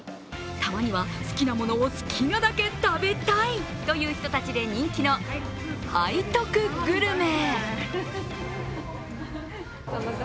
たまには好きなものを好きなだけ食べたいという人たちで人気の背徳グルメ。